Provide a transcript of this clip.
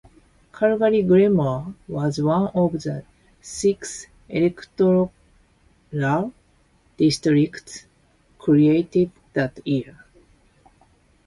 Calgary-Glenmore was one of the six electoral districts created that year.